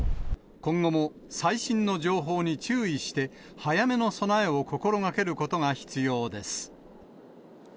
今後も最新の情報に注意して、早めの備えを心がけることが必要です。